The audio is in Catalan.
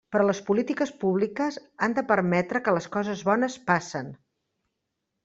Però les polítiques públiques han de permetre que les coses bones passen.